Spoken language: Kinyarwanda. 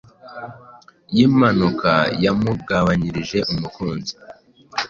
y’impanuka yampungabanyirije umukunzi.